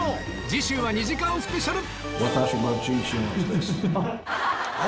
次週は２時間スペシャル！